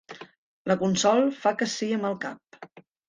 La Consol fa que sí amb el cap.